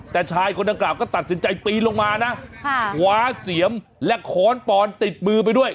แต่ชายคนดังกล่าก็ตัดสินใจปีนลงมานะคว้าเสียมและค้อนปอนติดมือไปด้วย